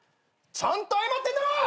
ちゃんと謝ってんだろ。